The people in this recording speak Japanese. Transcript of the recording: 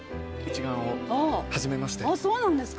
そうなんですか。